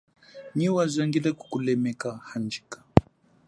Nyi wazangile kukulemeka, handjika.